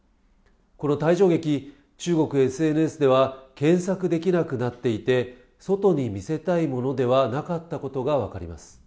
この退場劇、中国ＳＮＳでは、検索できなくなっていて、外に見せたいものではなかったことが分かります。